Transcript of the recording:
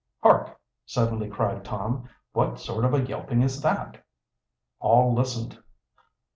"Hark!" suddenly cried Tom. "What sort of a yelping is that?" All listened.